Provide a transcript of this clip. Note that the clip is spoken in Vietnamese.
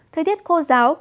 thời tiết khô ráo